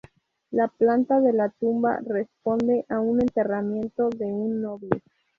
La planta de la tumba responde a un enterramiento de un noble.